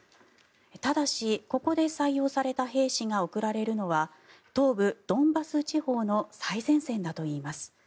ただし、ここで採用された兵士が送られるのは東部ドンバス地方の最前線だといいます。